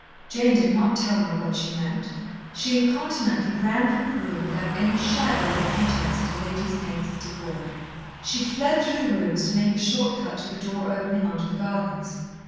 Jane did not tell her what she meant. She incontinently ran from the room without any shadow of a pretence at a lady's maid's decorum. She fled through the rooms, to make a short cut to the door opening on to the gardens.